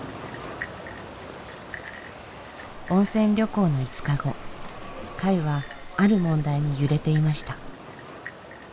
温泉旅行の５日後会はある問題に揺れていました。